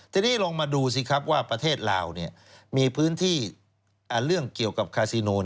ทีนี้ลองมาดูสิครับว่าประเทศลาวมีพื้นที่เรื่องเกี่ยวกับคาซิโน